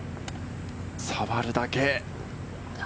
触るだけ。